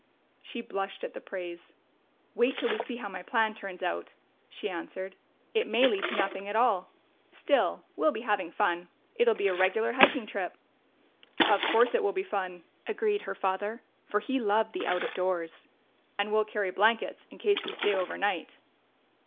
She blushed at the praise. "Wait till we see how my plan turns out," she answered. "It may lead to nothing at all.... Still, we'll be having fun. It'll be a regular hiking trip." "Of course it will be fun," agreed her father, for he loved the out of doors. "And we'll carry blankets in case we stay overnight."